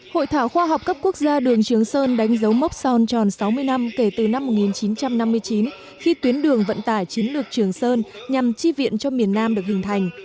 hội thảo khoa học cấp quốc gia đường trường sơn đánh dấu mốc son tròn sáu mươi năm kể từ năm một nghìn chín trăm năm mươi chín khi tuyến đường vận tải chiến lược trường sơn nhằm chi viện cho miền nam được hình thành